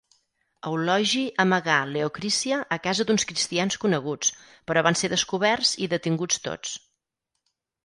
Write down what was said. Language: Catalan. Eulogi amagà Leocrícia a casa d'uns cristians coneguts, però van ser descoberts i detinguts tots.